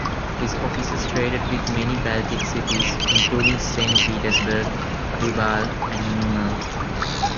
His offices traded with many Baltic cities, including Saint Petersburg, Reval, and Memel.